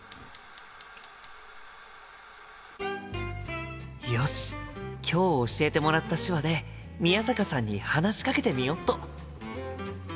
心の声よし今日教えてもらった手話で宮坂さんに話しかけてみよっと！